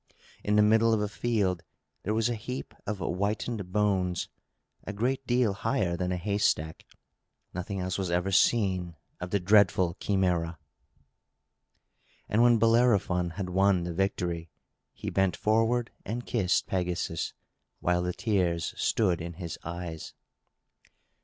In the middle of a field, there was a heap of whitened bones, a great deal higher than a haystack. Nothing else was ever seen of the dreadful Chimæra! And when Bellerophon had won the victory, he bent forward and kissed Pegasus, while the tears stood in his eyes.